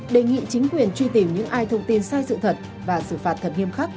đề nghị chính quyền truy tìm những ai thông tin sai sự thật và xử phạt thật nghiêm khắc